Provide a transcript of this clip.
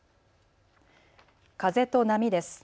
風と波です。